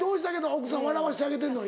奥さん笑わしてあげてんの？